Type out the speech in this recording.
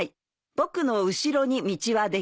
僕の後ろに道は出来る」